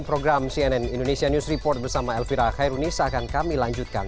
program cnn indonesia news report bersama elvira khairunisa akan kami lanjutkan